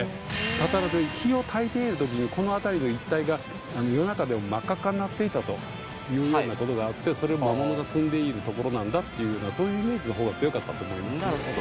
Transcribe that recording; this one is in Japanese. たたらで火をたいている時にこの辺りの一帯が夜中でも真っ赤っかになっていたというような事があってそれは魔物がすんでいる所なんだっていうようなそういうイメージの方が強かったと思いますよ。